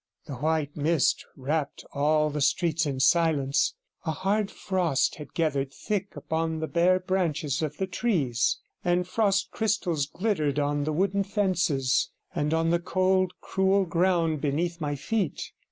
The white mist wrapped all the streets in silence, a hard frost had gathered thick upon the bare branches of the trees, and frost crystals glittered on the wooden fences, and on the cold, cruel ground beneath my feet.